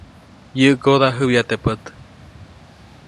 Yäʼkoda jäbya teʼ pät.